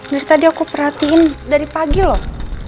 nur tadi aku perhatiin dari pagi loh